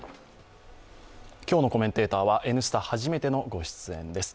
今日のコメンテーターは「Ｎスタ」初めてのご出演です